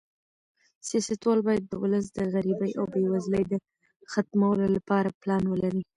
سیاستوال باید د ولس د غریبۍ او بې وزلۍ د ختمولو لپاره پلان ولري.